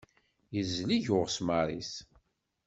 Yezleg uɣesmar-is.